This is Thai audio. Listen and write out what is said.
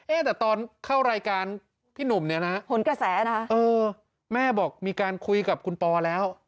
แต่ตอนเข้ารายการพี่หนุ่มเนี่ยนะผลกระแสนะเออแม่บอกมีการคุยกับคุณปอแล้ว